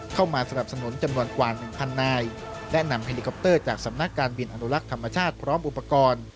เข้ามาสนับสนุนจำนวนกว่าหนึ่งพันนายและนำเฮลิคอปเตอร์จากสำนักการบินอนุลักษ์ธรรมชาติพร้อมอุปกรณ์